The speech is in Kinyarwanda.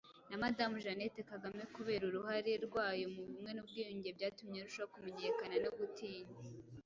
na Madamu Jeannette Kagame kubera uruhare rwayo mu bumwe n'ubwiyunge, byatumye arushaho kumenyekana no gutinywa.